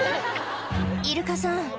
イルカさん